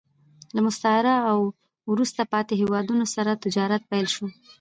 له مستعمره او وروسته پاتې هېوادونو سره تجارت پیل شو